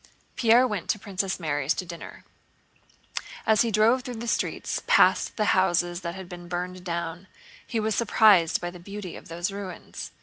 Pierre went to Princess Mary's to dinner. As he drove through the streets past the houses that had been burned down, he was surprised by the beauty of those ruins.